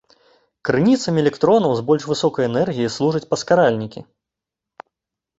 Крыніцамі электронаў з больш высокай энергіяй служаць паскаральнікі.